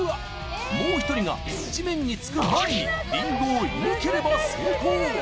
もう一人が地面につく前にりんごを射抜ければ成功